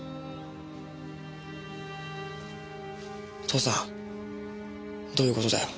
父さんどういう事だよ。